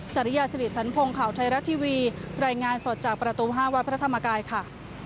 จริยาสิริสันพงศ์ข่าวไทยรัฐทีวีรายงานสดจากประตู๕วัดพระธรรมกายค่ะ